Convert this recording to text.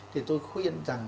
thì tôi khuyên rằng